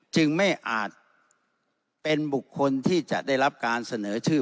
จึงไม่อาจเป็นบุคคลที่จะได้รับการเสนอชื่อ